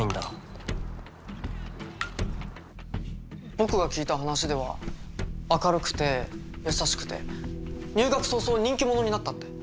僕が聞いた話では明るくて優しくて入学早々人気者になったって。